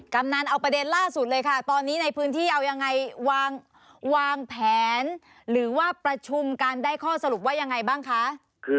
กำนันเอาประเด็นล่าสุดเลยค่ะตอนนี้ในพื้นที่เอายังไงวางแผนหรือว่าประชุมกันได้ข้อสรุปว่ายังไงบ้างคะ